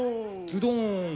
ズドン。